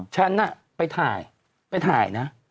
ฉันน่ะไปถ่ายไปถ่ายนะ